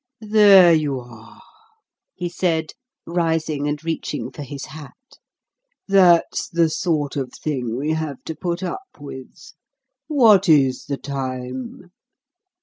"There you are," he said, rising and reaching for his hat; "that's the sort of thing we have to put up with. What IS the time?"